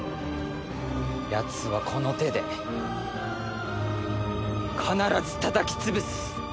やつはこの手で必ずたたき潰す！